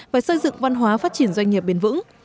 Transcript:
và xây dựng văn hóa phát triển doanh nghiệp bền vững